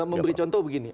memberi contoh begini